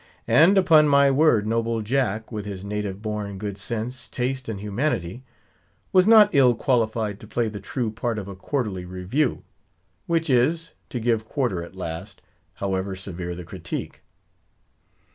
And upon my word, noble Jack, with his native born good sense, taste, and humanity, was not ill qualified to play the true part of a Quarterly Review;—which is, to give quarter at last, however severe the critique.